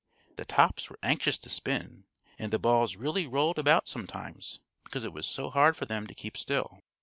The tops were anxious to spin, and the balls really rolled about sometimes, because it was so hard for them to keep still.